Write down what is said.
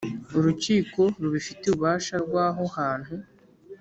Urukiko rubifitiye ububasha rw aho hantu